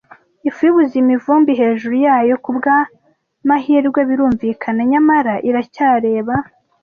ifu yubuzima ivumbi hejuru yayo, kubwamahirwe, birumvikana, nyamara iracyareba